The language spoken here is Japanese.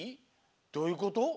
どういうこと？